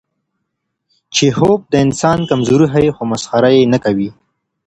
چیخوف د انسان کمزوري ښيي، خو مسخره یې نه کوي.